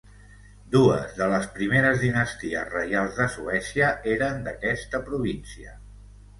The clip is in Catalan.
Dues de les primeres dinasties reials de Suècia eren d'aquesta província.